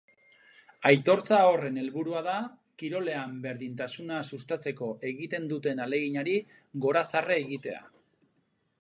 Aitortza horren helburua da kirolean berdintasuna sustatzeko egiten duten ahaleginari gorazarre egitea.